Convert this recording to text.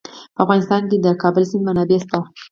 په افغانستان کې د د کابل سیند منابع شته.